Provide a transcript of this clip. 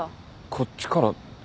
こっちから。